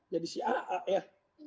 jadi si a'a ya